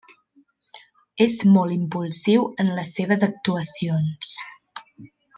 És molt impulsiu en les seves actuacions.